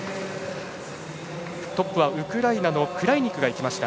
トップはウクライナのクライニクがいきました。